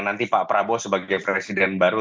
nanti pak prabowo sebagai presiden baru